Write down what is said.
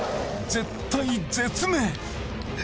絶体絶命！